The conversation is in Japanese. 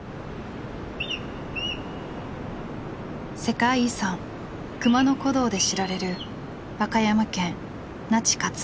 世界遺産熊野古道で知られる和歌山県那智勝浦町。